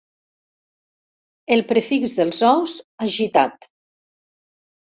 El prefix dels ous, agitat.